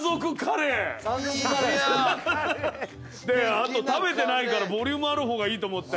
あと食べてないからボリュームある方がいいと思って。